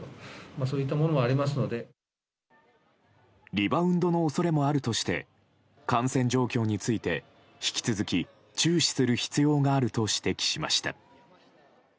リバウンドの恐れもあるとして感染状況について引き続き注視する必要があると指摘しました。